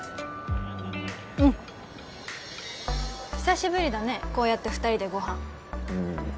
うん久しぶりだねこうやって二人でご飯うん